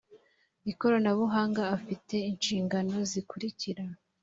ikoranabuhanga afite inshingano zikurikira